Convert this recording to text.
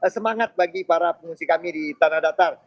semangat bagi para pengungsi kami di tanah datar